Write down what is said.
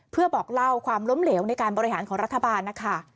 เพื่อบอกเล่าความล้มเหลวในการบริหารของรัฐบาลนะคะ